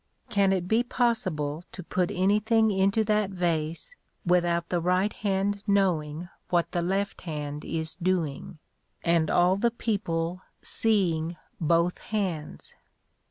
Can it be possible to put anything into that vase without the right hand knowing what the left hand is doing, and all the people seeing both hands?